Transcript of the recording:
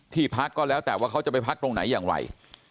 พักก็แล้วแต่ว่าเขาจะไปพักตรงไหนอย่างไร